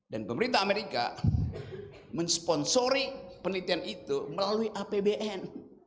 dan pemerintah amerika mensponsori penelitian itu melalui apbn